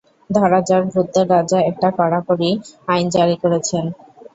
ধরা যাক, ভূতদের রাজা একটা কড়াকড়ি আইন জারি করেছেন।